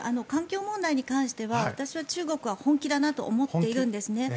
環境問題に関しては私は中国は本気だなと思ってるんですね。